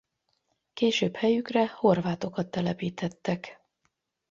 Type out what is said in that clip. Később helyükre horvátokat telepítettek.